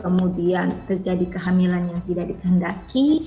kemudian terjadi kehamilan yang tidak dikehendaki